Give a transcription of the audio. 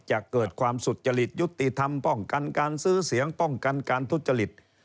จะเกิดความสุจริตยุติธรรมป้องกันการซื้อเสียงป้องกันการทุจริต